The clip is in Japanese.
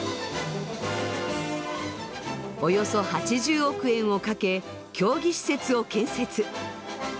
およそ８０億円をかけ競技施設を建設。